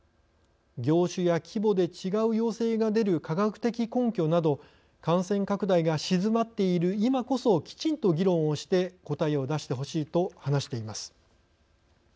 業種や規模で違う要請が出る科学的根拠など感染拡大が静まっている今こそきちんと議論をして答えを出してほしい」と話しています。